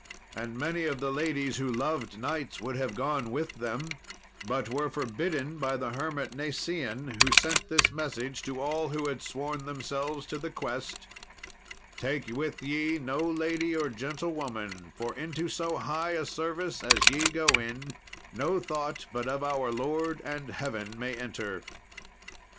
And many of the ladies who loved knights would have gone with them, but were forbidden by the hermit Nacien, who sent this message to all who had sworn themselves to the quest: "Take with ye no lady nor gentlewoman, for into so high a service as ye go in, no thought but of our Lord and heaven may enter."